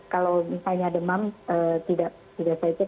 kalau misalnya demam tidak saya cek